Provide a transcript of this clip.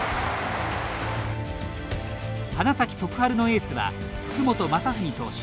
花咲徳栄のエースは福本真史投手。